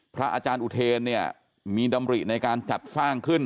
พระอาจารย์อุเทนเนี่ยมีดำริในการจัดสร้างขึ้น